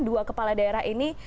dua kepala daerah ini